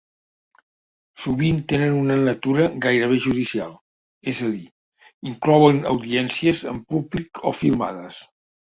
Sovint tenen una natura gairebé judicial, és a dir, inclouen audiències amb públic o filmades.